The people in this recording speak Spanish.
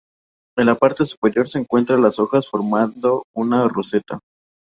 En la parte superior se encuentran las hojas formando una roseta.